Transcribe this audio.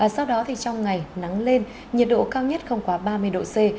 sau đó thì trong ngày nắng lên nhiệt độ cao nhất không quá ba mươi độ c